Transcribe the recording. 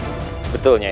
aku akan menangkapnya